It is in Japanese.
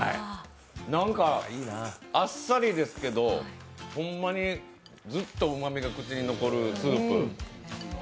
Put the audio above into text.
なんかあっさりですけど、ほんまにずっとうまみが口に残るスープ。